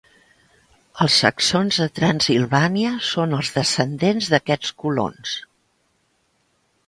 Els Saxons de Transsilvània són els descendents d'aquests colons.